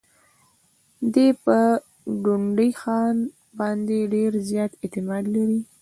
دی پر ډونډي خان باندي ډېر زیات اعتماد لري.